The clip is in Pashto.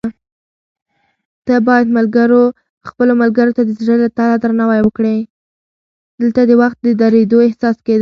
دلته د وخت د درېدو احساس کېده.